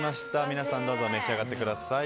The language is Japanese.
皆さん召し上がってください。